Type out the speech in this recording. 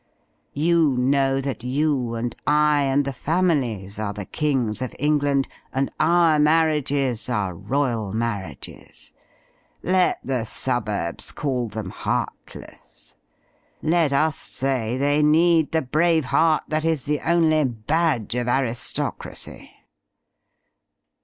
You know that you and I and the families are the Kings of Eng land; and our marriages are royal marriages. Let the suburbs call them heartless. Let us say they need the brave heart that is the only badge of aristocracy.